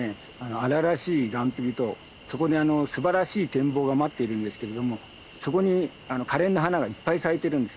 荒々しい岩壁とそこにすばらしい展望が待っているんですけれどもそこにかれんな花がいっぱい咲いてるんです。